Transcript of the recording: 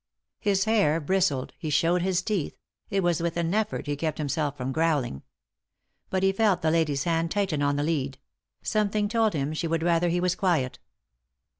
His hair bristled, he showed his teeth, it was with an effort he kept him self from growling. But he felt the lady's hand tighten on the lead ; something told him she would rather he was quiet.